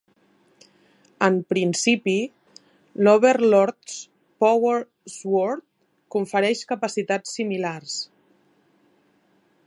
En principi, l'Overlord's Power Sword confereix capacitats similars.